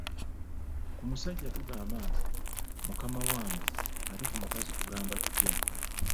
Ku musajja tugamba nti, mukama wange ate ku mukazi tugamba tutya?